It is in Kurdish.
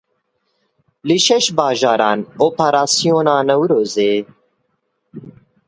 Li şeş bajaran operasyona Newrozê.